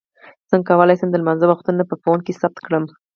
څنګه کولی شم د لمانځه وختونه په فون کې سیټ کړم